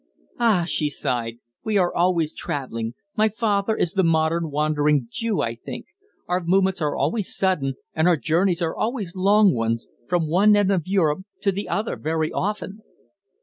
"Ah!" she sighed, "we are always travelling. My father is the modern Wandering Jew, I think. Our movements are always sudden, and our journeys always long ones from one end of Europe to the other very often."